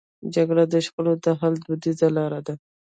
جرګه د شخړو د حل دودیزه لار ده.